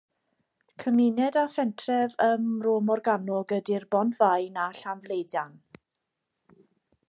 Cymuned a phentref ym Mro Morgannwg ydy'r Bont-faen a Llanfleiddan.